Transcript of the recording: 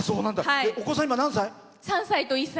お子さん、今、何歳？